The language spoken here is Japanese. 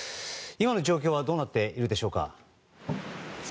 今の状況はどうなっているでしょうか。